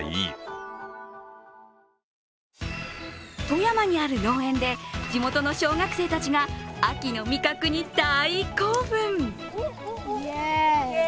富山にある農園で地元の小学生たちが秋の味覚に大興奮。